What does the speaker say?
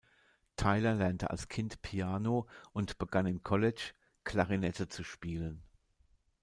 Tyler lernte als Kind Piano und begann im College, Klarinette zu spielen.